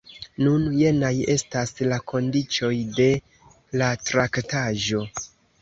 Nun, jenaj estas la kondiĉoj de la traktaĵo.